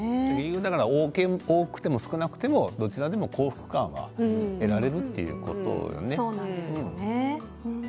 多くても少なくてもどちらでも幸福感は得られるということよね。